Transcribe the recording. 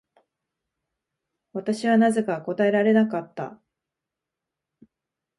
私はなぜか答えられなかった。